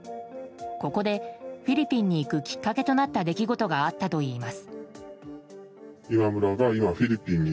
ここでフィリピンに行くきっかけとなった出来事があったといいます。